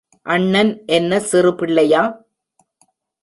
அண்ணன் என்ன சிறு பிள்ளையா?